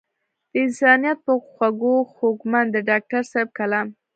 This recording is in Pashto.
د انسانيت پۀ خوږو خوږمند د ډاکټر صېب کلام